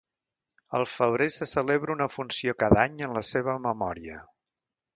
Al febrer se celebra una funció cada any en la seva memòria.